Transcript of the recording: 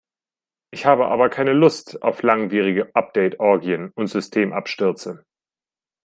Ich habe aber keine Lust auf langwierige Update-Orgien und Systemabstürze.